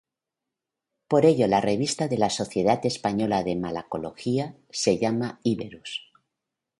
Por ello la revista de la Sociedad Española de Malacología se llama "Iberus".